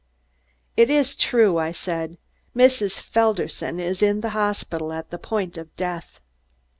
"It is true," I said, "Mrs. Felderson is in the hospital at the point of death."